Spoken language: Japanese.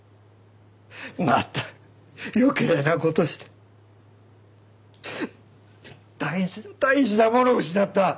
また余計な事して大事な大事なものを失った。